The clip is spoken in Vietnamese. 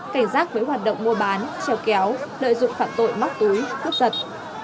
cảnh giác với hoạt động mua bán treo kéo đợi dụng phản tội mắc túi cướp giật